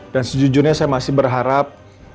dan sejujurnya saya masih berharap